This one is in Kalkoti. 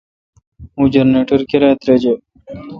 اوں جنریٹر کرا تریجہ۔